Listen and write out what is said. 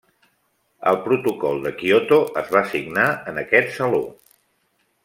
El protocol de Kyoto es va signar en aquest saló.